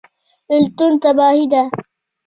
بیلتون تباهي ده